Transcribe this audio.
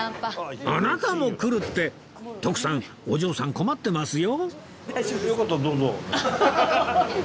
「あなたも来る？」って徳さんお嬢さん困ってますよ